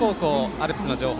アルプスの情報。